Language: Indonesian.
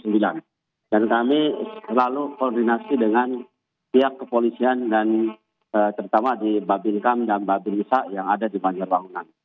dan kami selalu koordinasi dengan pihak kepolisian dan terutama di babilkam dan babilisa yang ada di banjarwangon